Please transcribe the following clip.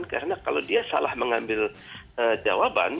karena kalau dia salah mengambil jawaban